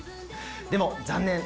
でも残念！